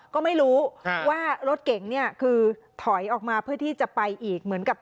ก็ไม่รู้ว่ารถเก๋งเนี่ยคือถอยออกมาเพื่อที่จะไปอีกเหมือนกับ